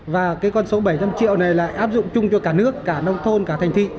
và cái con số bảy trăm linh triệu này lại áp dụng chung cho cả nước cả nông thôn cả thành thị